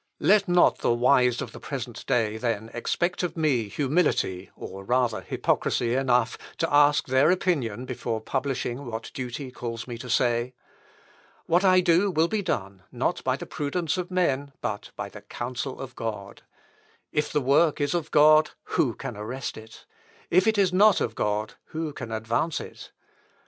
"Let not the wise of the present day, then, expect of me humility, or rather hypocrisy enough, to ask their opinion before publishing what duty calls me to say. What I do will be done, not by the prudence of men, but by the counsel of God. If the work is of God, who can arrest it? If it is not of God, who can advance it?...